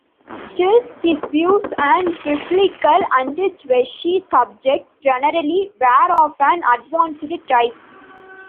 Still, his views on Biblical and Jewish subjects generally were of an advanced type.